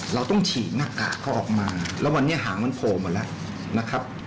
เราต้องฉีกหน้ากากเขาออกมาแล้ววันนี้หางมันโผล่หมดแล้วนะครับ